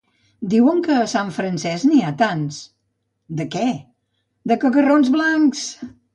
—Diuen que a Sant Francesc n'hi ha tants... —De què? —De cagarros blancs!